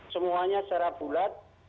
semuanya secara bulat